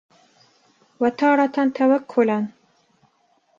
وَتَارَةً تَوَكُّلًا